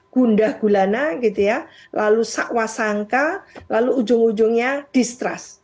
gundah gulana gitu ya lalu sakwa sangka lalu ujung ujungnya distrust